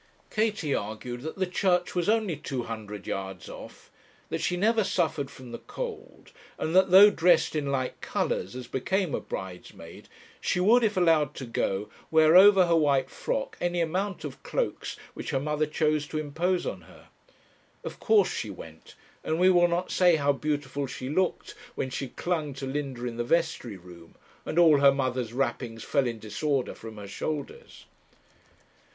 Katie argued that the church was only two hundred yards off, that she never suffered from the cold, and that though dressed in light colours, as became a bridesmaid, she would, if allowed to go, wear over her white frock any amount of cloaks which her mother chose to impose on her. Of course she went, and we will not say how beautiful she looked, when she clung to Linda in the vestry room, and all her mother's wrappings fell in disorder from her shoulders.